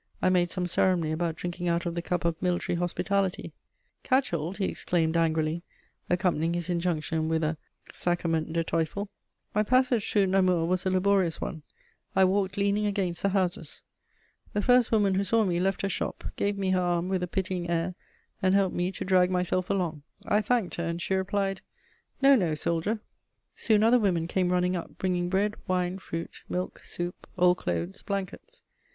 I made some ceremony about drinking out of the cup of military hospitality: "Catch hold!" he exclaimed angrily, accompanying his injunction with a Sackerment der Teufel! My passage through Namur was a laborious one: I walked leaning against the houses. The first woman who saw me left her shop, gave me her arm with a pitying air, and helped me to drag myself along. I thanked her, and she replied: "No, no, soldier," Soon other women came running up, bringing bread, wine, fruit, milk, soup, old clothes, blankets.